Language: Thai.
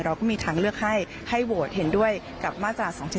เราก็มีทางเลือกให้ให้โหวตเห็นด้วยกับมาตรา๒๗